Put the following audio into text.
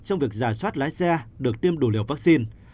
trong việc giả soát lái xe được tiêm đủ liều vaccine